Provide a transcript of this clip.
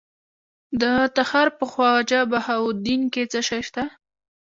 د تخار په خواجه بهاوالدین کې څه شی شته؟